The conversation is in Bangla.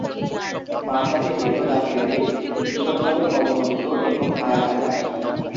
মাথাটি বৃহৎ আকৃতির, দৃঢ়ভাবে অবনমিত এবং আয়তাকার।